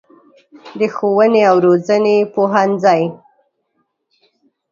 د ښوونې او روزنې پوهنځی